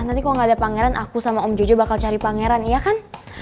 nanti kalau gak ada pangeran aku sama om jojo bakal cari pangeran iya kan